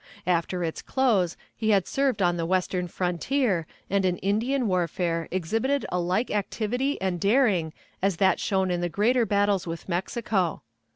After its close he had served on the Western frontier, and in Indian warfare exhibited a like activity and daring as that shown in the greater battles with Mexico.